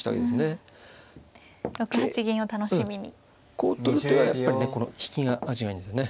こう取る手はやっぱりねこの引きが味がいいんですよね。